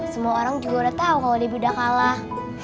semua orang juga udah tahu kalau ibu udah kalah